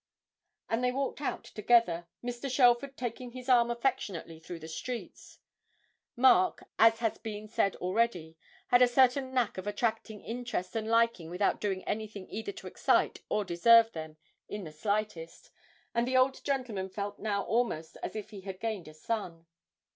And they walked out together, Mr. Shelford taking his arm affectionately through the streets. Mark, as has been said already, had a certain knack of attracting interest and liking without doing anything either to excite or deserve them in the slightest, and the old gentleman felt now almost as if he had gained a son.